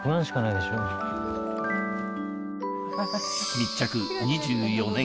密着２４年